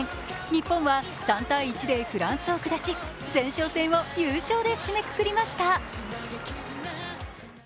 日本は３−１でフランスを下し前哨戦を優勝で締めくくりました。